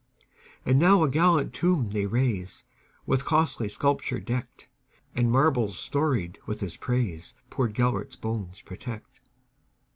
And now a gallant tomb they raise, With costly sculpture decked; And marbles storied with his praisePoor Gêlert's bones protect.